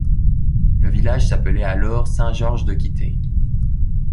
Le village s'appelait alors Saint-Georges-de-Quittay.